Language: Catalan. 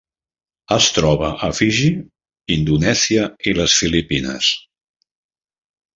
Es troba a Fiji, Indonèsia i les Filipines.